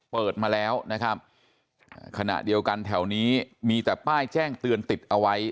เปิดมาแล้วนะครับขณะเดียวกันแถวนี้มีแต่ป้ายแจ้งเตือนติดเอาไว้